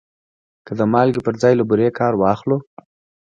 که د مالګې پر ځای له بورې کار واخلو؟